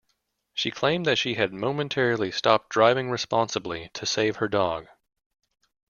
She claimed that she had momentarily stopped driving responsibly to save her dog.